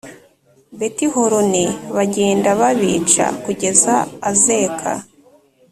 Beti Horoni bagenda babica kugeza Azeka